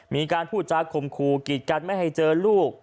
มีการพูดจากข่มขู่กีดกันไม่ให้เจอลูก